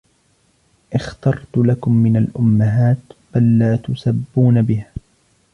اخْتَرْتُ لَكُمْ مِنْ الْأُمَّهَاتِ مَنْ لَا تُسَبُّونَ بِهَا